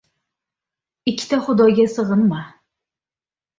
• Ikkita xudoga sig‘inma.